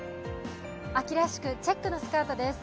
秋らしく、チェックのスカートです。